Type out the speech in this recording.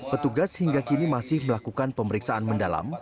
petugas hingga kini masih melakukan pemeriksaan mendalam